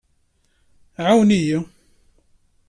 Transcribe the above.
Ɛawen-iyi.